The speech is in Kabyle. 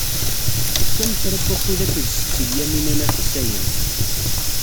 Tekkam kra n wakud akked Setti Lyamina n At Ḥsayen.